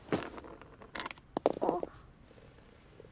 あっ。